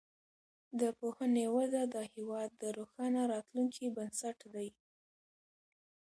د پوهنې وده د هیواد د روښانه راتلونکي بنسټ دی.